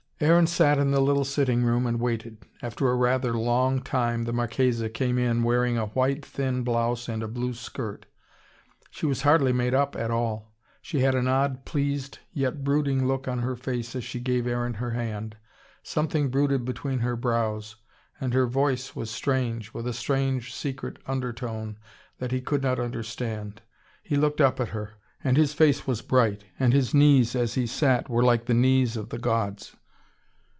Aaron sat in the little sitting room and waited. After a rather long time the Marchesa came in wearing a white, thin blouse and a blue skirt. She was hardly made up at all. She had an odd pleased, yet brooding look on her face as she gave Aaron her hand. Something brooded between her brows. And her voice was strange, with a strange, secret undertone, that he could not understand. He looked up at her. And his face was bright, and his knees, as he sat, were like the knees of the gods.